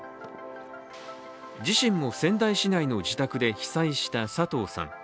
自身も仙台市内の自宅で被災した佐藤さん。